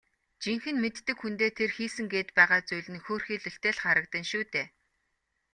Жинхэнэ мэддэг хүндээ тэр хийсэн гээд байгаа зүйл нь хөөрхийлөлтэй л харагдана шүү дээ.